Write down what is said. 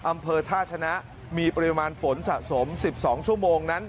อำเภอท่าชนะมีปริมาณฝนสะสม๑๒ชั่วโมงนั้น